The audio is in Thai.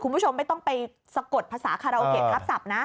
คุณผู้ชมไม่ต้องไปสะกดภาษาคาราโอเกะครับศัพท์นะ